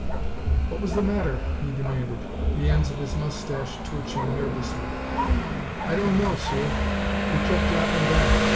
"What was the matter?" he demanded, the ends of his moustache twitching nervously. "Don't know, sir. He kept droppin' back.